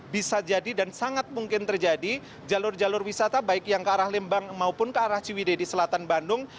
bisa jadi dan sangat mungkin terjadi jalur jalur wisata baik yang ke arah lembang maupun ke arah ciwide di selatan bandung